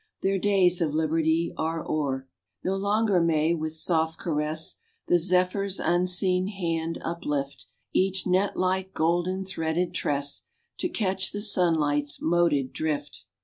Their days of liberty are o'er. No longer may, with soft caress, The zephyr's unseen hand uplift Each net like, golden threaded tress To catch the sunlight's moted drift.